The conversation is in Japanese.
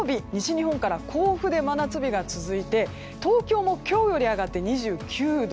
日本から甲府で真夏日が続いて東京も今日より上がって２９度。